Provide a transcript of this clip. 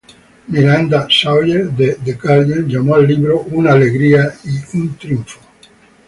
Miranda Sawyer de "The Guardian" llamó al libro "una alegría" y "un triunfo".